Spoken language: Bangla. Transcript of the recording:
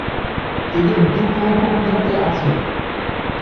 এদের দুটো উপপ্রজাতি আছে।